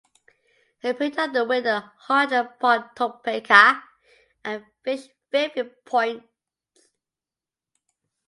He picked up a win at Heartland Park Topeka and finished fifth in points.